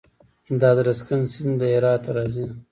د ادرسکن سیند له هرات راځي